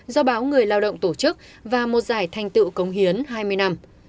do báo người lao động tổ chức và một giải thanh tự cống hiến hai mươi năm